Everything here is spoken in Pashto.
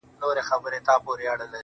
ستا څخه ډېر تـنگ.